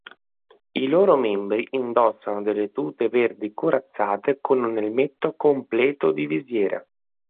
I loro membri indossano delle tute verdi corazzate con un elmetto completo di visiera.